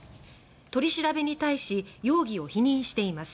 取り調べに対し容疑を否認しています。